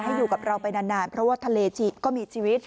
อยู่กับเราไปนานเพราะว่าทะเลก็มีชีวิต